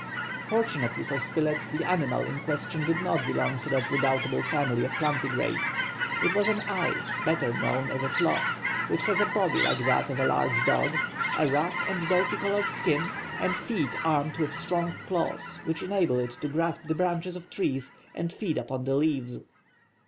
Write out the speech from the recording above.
Fortunately for Spilett, the animal in question did not belong to that redoubtable family of plantigrades. It was an ai, better known as a sloth, which has a body like that of a large dog, a rough and dirty colored skin, the feet armed with strong claws which enable it to grasp the branches of trees and feed upon the leaves.